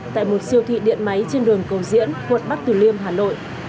tại một siêu thị điện máy trên đường cầu diễn quận bắc từ liêm hà nội